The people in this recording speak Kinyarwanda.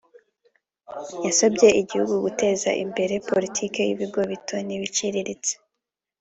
yasabye igihugu guteza imbere politiki y’ibigo bito n’ibiciriritse